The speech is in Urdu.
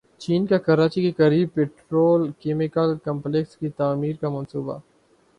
چین کا کراچی کے قریب پیٹرو کیمیکل کمپلیکس کی تعمیر کا منصوبہ